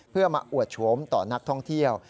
เพื่อมาอวดโฉมต่อนักท่องเที่ยว